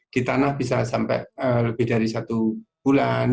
di tanah bisa sampai lebih dari satu bulan